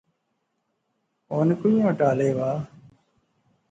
ہن کوئیاں ٹالے وہا